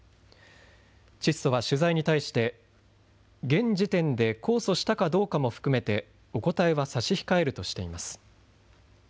チッソは取材に対して現時点で控訴したかどうかも含めてお答えは差し控えるとしています。